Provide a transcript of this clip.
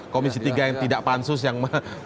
komisi tiga yang tidak pansus yang